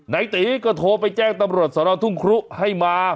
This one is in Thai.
ในตีก็โทรไปแจ้งตำรวจสนทุ่งครุให้มา